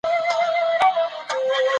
هغه په يوه تياره کوټه کي ژوند کوي.